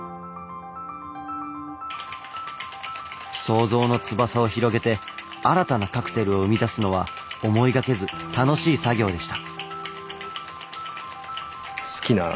想像の翼を広げて新たなカクテルを生み出すのは思いがけず楽しい作業でした。